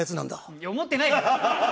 いや思ってないから！